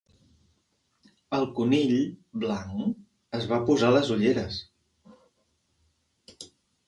El Conill Blanc es va posar les ulleres.